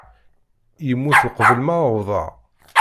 Yemmut uqbel ma uwḍeɣ.